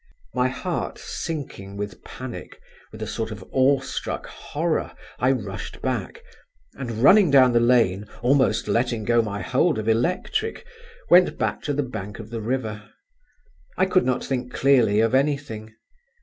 My heart sinking with panic, with a sort of awe struck horror, I rushed back, and running down the lane, almost letting go my hold of Electric, went back to the bank of the river. I could not think clearly of anything.